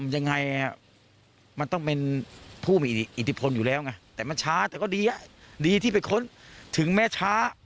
ยังไงมันต้องเป็นผู้มีอิทธิพลอยู่แล้วไงแต่มันช้าแต่ก็ดีดีที่ไปค้นถึงแม้ช้า